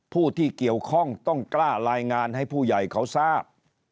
ผู้ที่เกี่ยวข้องต้องกล้ารายงานให้ผู้ใหญ่เขาทราบ